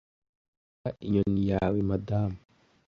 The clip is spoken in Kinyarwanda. naba inyoni yawe madamu